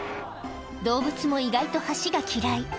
動物も意外と橋が嫌い